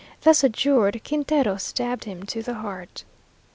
Thus adjured, Quintero stabbed him to the heart.